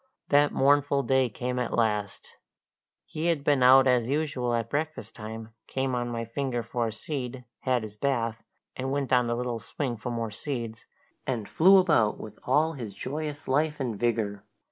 That mournful day came at last! He had been out as usual at breakfast time, came on my finger for a seed, had his bath, and went on the little swing for more seeds, and flew about with all his joyous life and vigour.